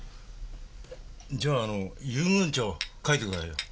じゃああの遊軍長書いてくださいよ。